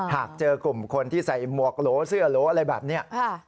หากเจอกลุ่มคนที่ใส่หมวกโหลเสื้อโหลอะไรแบบนี้